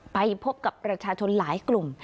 ไปพบกับประชาชนหลายกลุ่ม